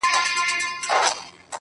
د مسجد لوري، د مندر او کلیسا لوري.